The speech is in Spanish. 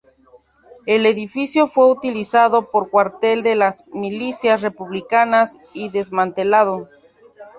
El edificio fue utilizado por cuartel de las milicias republicanas y desmantelado.